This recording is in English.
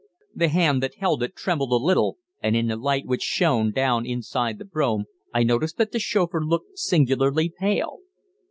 The hand that held it trembled a little, and in the light which shone down inside the brougham I noticed that the chauffeur looked singularly pale.